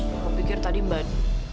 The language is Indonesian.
kamu pikir tadi bad